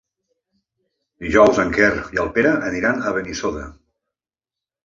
Dijous en Quer i en Pere aniran a Benissoda.